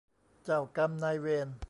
เจ้ากรรมนายเวร